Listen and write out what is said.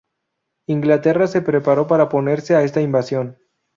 Inglaterra se preparó para oponerse a esta invasión.